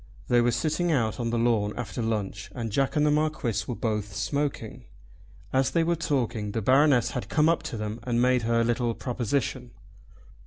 They were sitting out on the lawn after lunch and Jack and the Marquis were both smoking. As they were talking the Baroness had come up to them and made her little proposition.